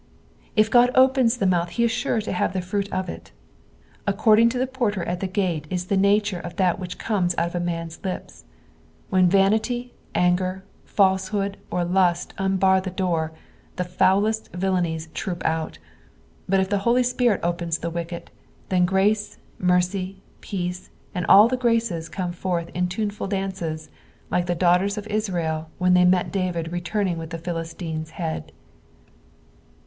It God opens the mouth he is sure to have the fruit of it, According to the porter at the gate ia the nature of that which comes out of man's lips ; when vanity, anger, falsehood, or lust unbar the door, the foulest villaniea troop out ; but if the Holy Spirit opens the wicket, then grace, mercy, peace, and all the graces come forth in tuneful dances, like the daughters of Israel when they met David returning with the Philistine's head.